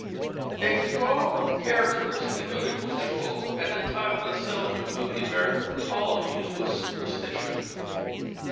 A strong characteristic of English folk at the time of the settlement of the American colonies was superstition.